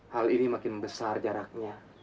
hal ini makin besar jaraknya